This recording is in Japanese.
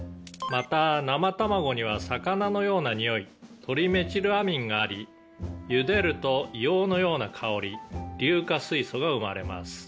「また生たまごには魚のようなにおいトリメチルアミンがありゆでると硫黄のような香り硫化水素が生まれます」